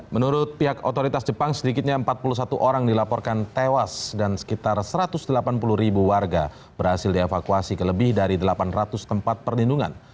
menurut pihak otoritas jepang sedikitnya empat puluh satu orang dilaporkan tewas dan sekitar satu ratus delapan puluh ribu warga berhasil dievakuasi ke lebih dari delapan ratus tempat perlindungan